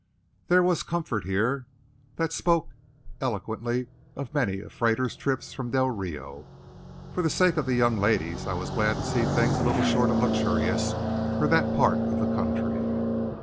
There was comfort here that spoke eloquently of many a freighter's trip from Del Rio. For the sake of the young ladies, I was glad to see things little short of luxurious for that part of the country.